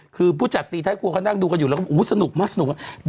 คือผู้จัดตีท้ายครัวเขานั่งดูกันอยู่แล้วก็สนุกมากสนุกมาก